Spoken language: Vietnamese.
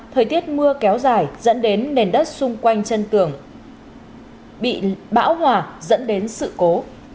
thời tiết mưa kéo dài dẫn đến nền đất xung quanh chân tường bị bão hòa dẫn đến sự cố